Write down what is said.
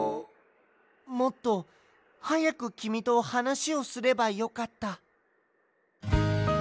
もっとはやくきみとはなしをすればよかった。